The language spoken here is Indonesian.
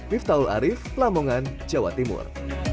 miftahul arief lamongan jawa timur